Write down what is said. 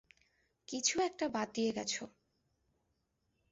কিছু একটা বাদ দিয়ে গেছ।